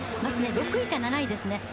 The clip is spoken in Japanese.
６位か７位ですね。